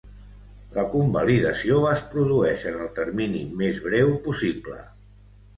La convalidació es produeix en el termini més breu possible.